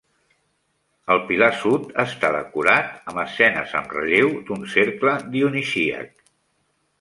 El pilar sud està decorat amb escenes amb relleu d'un cercle dionisíac.